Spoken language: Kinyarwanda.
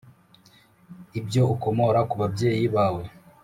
ibyo ukomora ku babyeyi bawe